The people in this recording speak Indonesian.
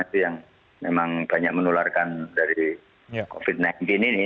itu yang memang banyak menularkan dari covid sembilan belas ini